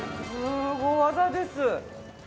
すご技です。